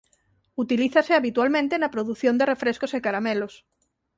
Utilízase habitualmente na produción de refrescos e caramelos.